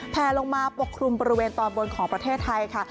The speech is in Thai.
แพลลงมาปกคลุมบริเวณตอนบนของประเทศไทยค่ะ